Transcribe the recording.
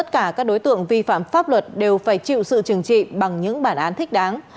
các đối tượng vi phạm pháp luật đều phải chịu sự trừng trị bằng những bản án thích đáng